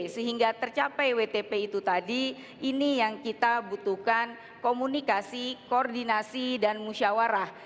sehingga tercapai wtp itu tadi ini yang kita butuhkan komunikasi koordinasi dan musyawarah